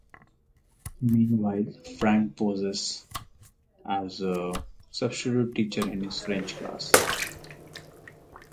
Meanwhile, Frank poses as a substitute teacher in his French class.